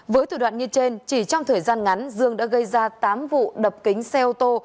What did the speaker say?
với thủ đoạn như trên chỉ trong thời gian ngắn dương đã gây ra tám vụ đập kính xe ô tô